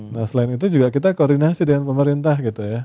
nah selain itu juga kita koordinasi dengan pemerintah gitu ya